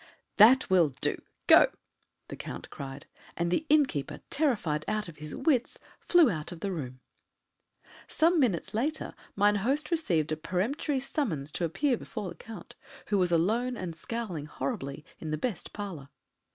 "That will do go!" the Count cried; and the innkeeper, terrified out of his wits, flew out of the room. Some minutes later mine host received a peremptory summons to appear before the Count, who was alone and scowling horribly, in the best parlour.